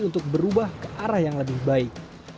untuk berubah ke arah yang lebih baik